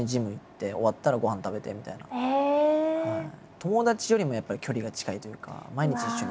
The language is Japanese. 友達よりもやっぱり距離が近いというか毎日一緒にいる。